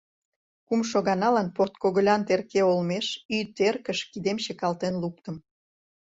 Кумшо ганалан подкогылян терке олмеш ӱй теркыш кидем чыкалтен луктым.